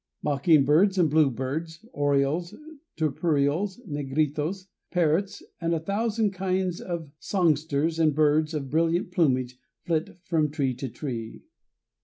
Mockingbirds and blue birds, orioles, turpials, negritos, parrots, and a thousand kinds of songsters and birds of brilliant plumage flit from tree to tree.